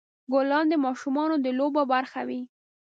ګلان د ماشومان د لوبو برخه وي.